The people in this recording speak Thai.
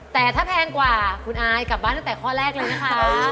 แต่ถ้าแพงกว่าคุณอายกลับบ้านตั้งแต่ข้อแรกเลยนะคะ